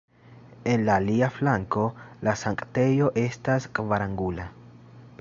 En la alia flanko la sanktejo estas kvarangula.